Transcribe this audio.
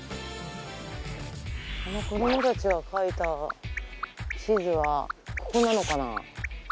この子どもたちが描いた地図はここなのかな。